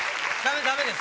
ダメです！